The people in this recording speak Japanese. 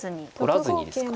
取らずにですか。